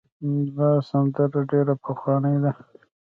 دا سندره ډېره پخوانۍ ده.